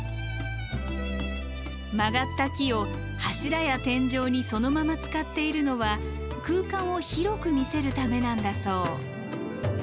曲がった木を柱や天井にそのまま使っているのは空間を広く見せるためなんだそう。